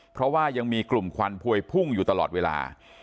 เพราะว่ายังมีกลุ่มควันพวยพุ่งอยู่ตลอดเวลา